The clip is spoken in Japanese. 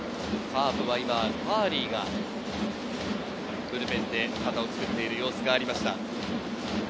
カープは今ターリーがブルペンで肩をつくっている様子がありました。